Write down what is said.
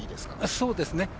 そうですね。